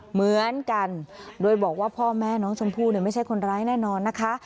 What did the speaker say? เหมือนกันโดยบอกว่าพ่อแม่น้องชมพู่ไม่ใช่คนร้ายแน่นอนนะคะ